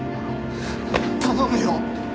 頼むよ！